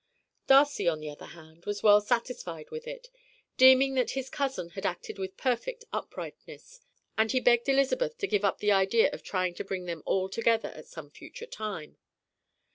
Darcy, on the other hand, was well satisfied with it, deeming that his cousin had acted with perfect uprightness, and he begged Elizabeth to give up the idea of trying to bring them all together at some future time.